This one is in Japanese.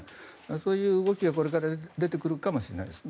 そういう動きが、これから出てくるかもしれません。